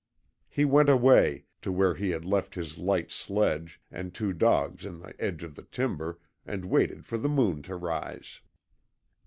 He went away, to where he had left his light sledge and two dogs in the edge of the timber, and waited for the moon to rise.